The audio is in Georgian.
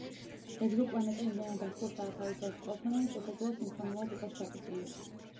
ეგზოპლანეტა იმდენად ახლოსაა თავის ვარსკვლავთან, რომ შესაძლოა სინქრონულად იყოს ჩაკეტილი.